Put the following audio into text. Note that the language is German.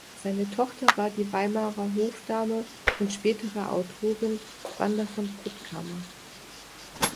Seine Tochter war die Weimarer Hofdame und spätere Autorin Wanda von Puttkamer.